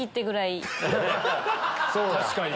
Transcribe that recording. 確かに。